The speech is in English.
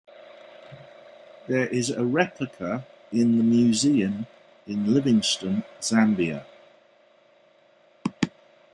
There is a replica in the Museum in Livingstone, Zambia.